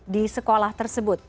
di sekolah tersebut